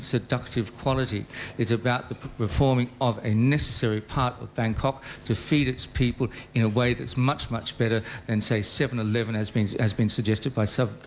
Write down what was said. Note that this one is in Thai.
หรือแผ่นหรือภูมิประเทศประเทศอื่นให้การจัดการอาหารข้างทาง